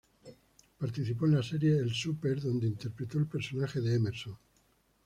Participó en la serie "El Super", donde interpretó al personaje de Emerson.